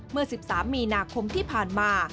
เมื่อ๑๓มีนาคมที่ผ่านมา